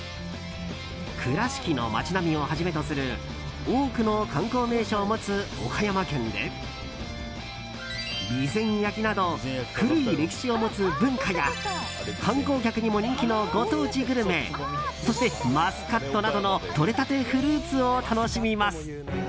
倉敷の街並みをはじめとする多くの観光名所を持つ岡山県で備前焼など古い歴史を持つ文化や観光客にも人気のご当地グルメそしてマスカットなどのとれたてフルーツを楽しみます。